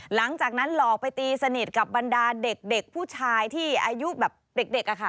หลังจากนั้นหลอกไปตีสนิทกับบรรดาเด็กผู้ชายที่อายุแบบเด็กอะค่ะ